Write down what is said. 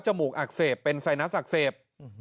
มูกอักเสบเป็นไซนัสอักเสบ